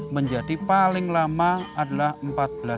menjadi paling lama adalah empat belas hari kerja